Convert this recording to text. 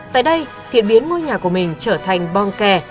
tại đây thiện biến ngôi nhà của mình trở thành bong kè